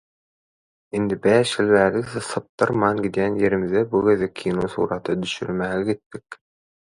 Indi bäş ýyl bäri sypdyrman gidýän ýerimize bu gezek kino surata düşürmäge gitdik.